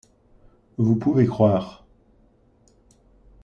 Vous pouvez croire.